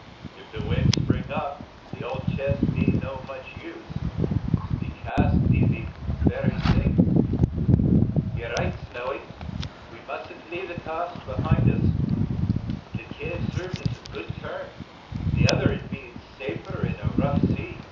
If de wind 'pring up, de ole chess be no use much. De cask de berry ting den." "You're right, Snowy! we musn't leave the cask behind us. If the kit have served us a good turn, the other 'ud be safer in a rough sea.